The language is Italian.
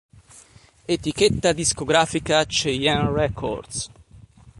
Etichetta Discografica Cheyenne Records.